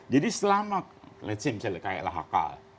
jadi selama misalnya klhk